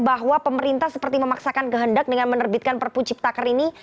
bahwa pemerintah seperti memaksakan kehendak dengan menerbitkan perpu ciptaker ini